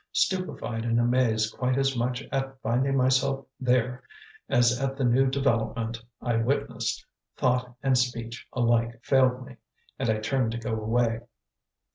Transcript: Stupefied and amazed quite as much at finding myself there as at the new development I witnessed, thought and speech alike failed me, and I turned to go away.